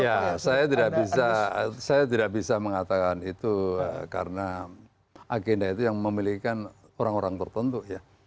ya saya tidak bisa saya tidak bisa mengatakan itu karena agenda itu yang memiliki orang orang tertentu ya